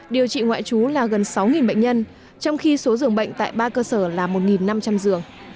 điều trị ngoại trú là gần sáu bệnh nhân trong khi số dường bệnh tại ba cơ sở là một năm trăm linh giường